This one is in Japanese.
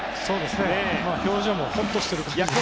表情もほっとしている感じですね。